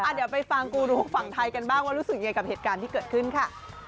เดี๋ยวไปฟังกูรูฝั่งไทยกันบ้างว่ารู้สึกยังไงกับเหตุการณ์ที่เกิดขึ้นค่ะ